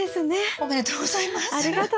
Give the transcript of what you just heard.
ありがとうございます。